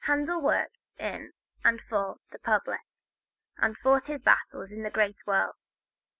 Handel worked in and for the public and fought his battles in the great world.